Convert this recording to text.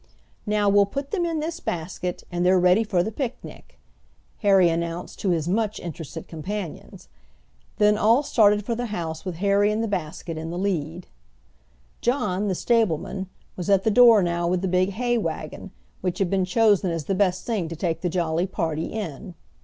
"Now we'll put them in this basket, and they're ready for the picnic," Harry announced to his much interested companions. Then all started for the house with Harry and the basket in the lead. John, the stableman, was at the door now with the big hay wagon, which had been chosen as the best thing to take the jolly party in.